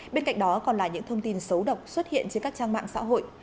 bên cạnh đó còn là những thông tin xấu độc xuất hiện trên các trang mạng xã hội